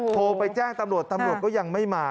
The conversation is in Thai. โทรไปแจ้งตำรวจตำรวจก็ยังไม่มา